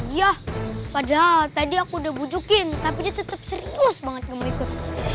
iya padahal tadi aku udah bujukin tapi dia tetap serius banget gak mau ikut